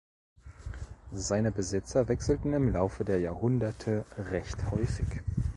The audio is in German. Seine Besitzer wechselten im Laufe der Jahrhunderte recht häufig.